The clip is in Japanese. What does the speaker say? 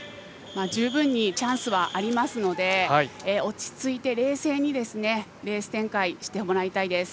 十分にチャンスはありますので落ち着いて冷静にレース展開をしてもらいたいです。